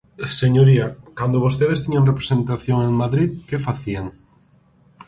Señoría, cando vostedes tiñan representación en Madrid, ¿que facían?